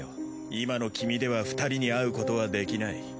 今の君では２人に会うことはできない。